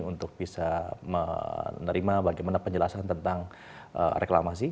untuk bisa menerima bagaimana penjelasan tentang reklamasi